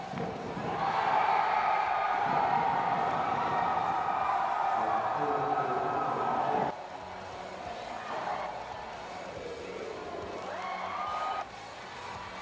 สวัสดีทุกคน